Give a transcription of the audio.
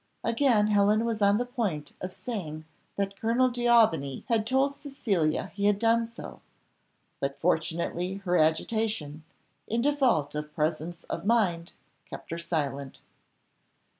Again Helen was on the point of saying that Colonel D'Aubigny had told Cecilia he had done so, but fortunately her agitation, in default of presence of mind, kept her silent.